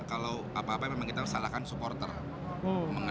kalau apa apa yang kita salahkan supporternya